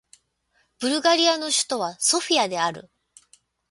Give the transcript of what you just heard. ブルガリアの首都はソフィアである